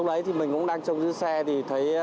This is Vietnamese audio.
ra hiệu lệnh dừng xe hỗ trợ xử lý